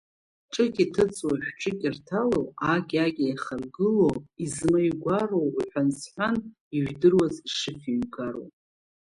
Ҿык иҭыҵуа шә-ҿык ирҭало, аки-аки еихаргыло, изма игәароу уҳәан-сҳәан ижәдыруаз ишыфҩгароу.